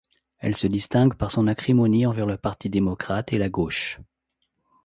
Elle se distingue par son acrimonie envers le Parti démocrate et la gauche.